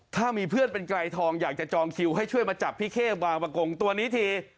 ถ้ามีเพื่อนเป็นไกรทองอยากจะจองคิวให้ช่วยมาจับพี่เข้บางประกงตัวนี้ที